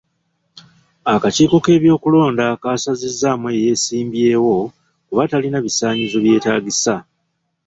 Akakiiko k'ebyokulonda kasazizzaamu eyeesimbyewo kuba talina bisaanyizo byetaagisa.